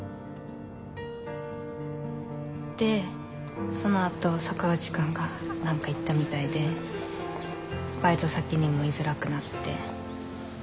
でそのあと坂口くんが何か言ったみたいでバイト先にもいづらくなって。